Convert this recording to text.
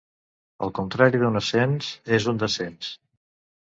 El contrari d'un ascens és un descens.